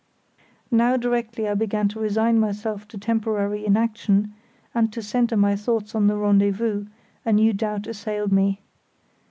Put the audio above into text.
Now directly I began to resign myself to temporary inaction, and to centre my thoughts on the rendezvous, a new doubt assailed me.